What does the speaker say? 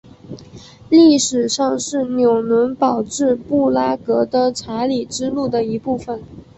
历史上是纽伦堡至布拉格的查理之路的一部份。